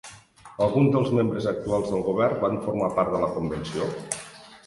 Alguns dels membres actuals del govern van formar part de la convenció?